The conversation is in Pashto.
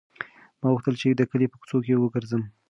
ما غوښتل چې د کلي په کوڅو کې وګرځم.